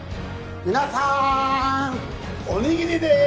皆さーんおにぎりでーす！